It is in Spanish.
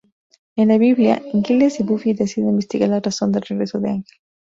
En la biblioteca, Giles y Buffy deciden investigar la razón del regreso de Ángel.